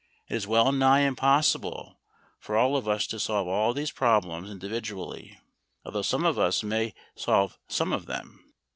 It is well nigh impossible for all of us to solve all these problems individually, although some of us may solve some of them.